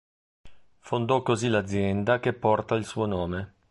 Fondò così l'azienda che porta il suo nome.